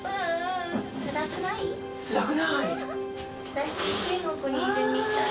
私も天国にいるみたい。